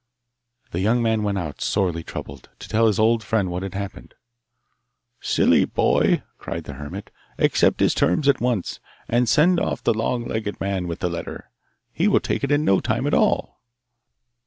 The young man went out, sorely troubled, to tell his old friend what had happened. 'Silly boy!' cried the hermit, 'Accept his terms at once. And send off the long legged man with the letter. He will take it in no time at all.